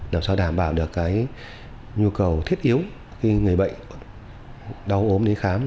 làm sao đảm bảo được cái nhu cầu thiết yếu khi người bệnh đau ốm đến khám